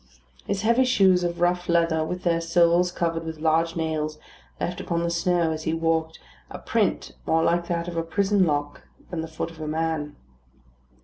His heavy shoes of rough leather, with their soles covered with large nails, left upon the snow, as he walked, a print more like that of a prison lock than the foot of a man.